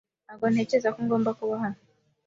Ntabwo ntekereza ko ngomba kuba hano